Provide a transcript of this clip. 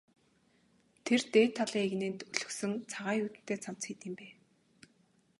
Тэр дээд талын эгнээнд өлгөсөн цагаан юүдэнтэй цамц хэд юм бэ?